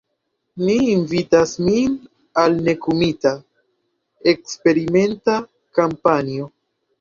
Ni invitas vin al nekutima, eksperimenta kampanjo.